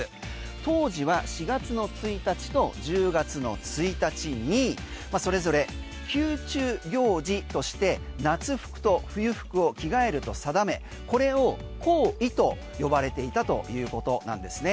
当時は４月の１日と１０月の１日にそれぞれ宮中行事として服と冬服を着替えると定めこれを更衣と呼ばれていたということなんですね。